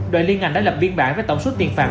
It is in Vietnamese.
đoạn liên ngành đã lập biên bản với tổng suất tiền phạt